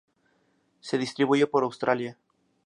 Se distribuye por Australia.